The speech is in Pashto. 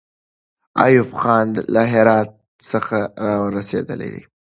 ایوب خان له هراته را رسېدلی دی.